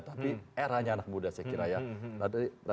tapi eranya anak muda saya kira ya